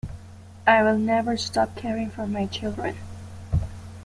I will never stop caring for my children.